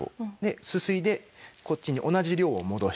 すすいでこっちに同じ量を戻していくと。